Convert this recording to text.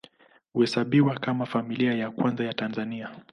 Huhesabiwa kama Familia ya Kwanza ya Tanzania.